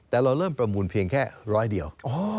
แต่เราเริ่มประมูลเพียงแค่ร้อยเดียว